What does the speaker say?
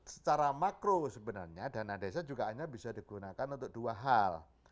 secara makro sebenarnya dana desa juga hanya bisa digunakan untuk dua hal